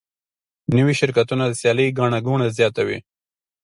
نوي شرکتونه د سیالۍ ګڼه ګوڼه زیاتوي.